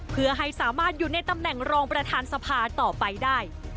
เพื่อให้สามารถอยู่ในตำแหน่งรองประธานสภาต่อไปได้